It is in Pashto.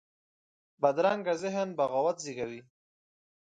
بدرنګه ذهن بغاوت زېږوي